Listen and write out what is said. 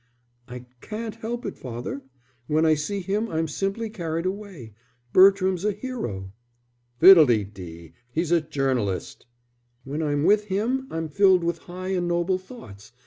"I can't help it, father. When I see him I'm simply carried away. Bertram's a hero." "Fiddlededee! He's a journalist." "When I'm with him I'm filled with high and noble thoughts.